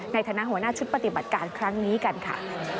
ในฐานะหัวหน้าชุดปฏิบัติการครั้งนี้กันค่ะ